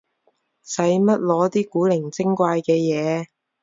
使乜攞啲古靈精怪嘅嘢